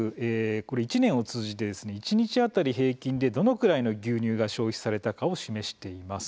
これ１年を通じて一日当たり平均でどのくらいの牛乳が消費されたかを示しています。